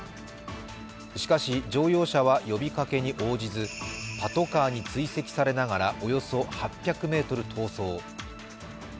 しかし、乗用車は呼びかけに応じずパトカーに追跡されながらおよそ８００ｍ逃走。